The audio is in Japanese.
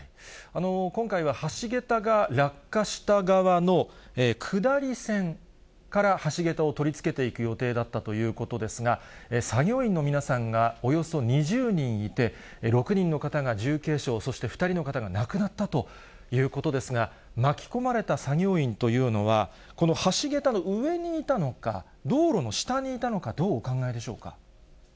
今回は橋桁が落下した側の下り線から橋桁を取り付けていく予定だったということですが、作業員の皆さんがおよそ２０人いて、６人の方が重軽傷、そして２人の方が亡くなったということですが、巻き込まれた作業員というのは、この橋桁の上にいたのか、道路の下にいたのか、どうお考えでしょうか。